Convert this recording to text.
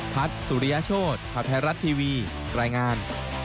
พัฒน์สุริยโชธพัทรรัชทีวีรายงาน